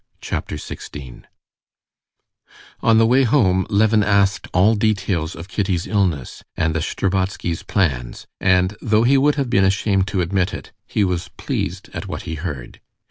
Chapter 16 On the way home Levin asked all details of Kitty's illness and the Shtcherbatskys' plans, and though he would have been ashamed to admit it, he was pleased at what he heard.